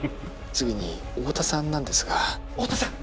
☎次に太田さんなんですが太田さん